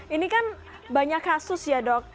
ini kan banyak kasus ya dok